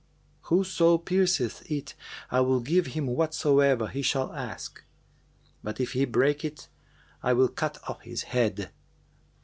Whoso pierceth it, I will give him whatsoever he shall ask; but if he break it, I will cut off his head.'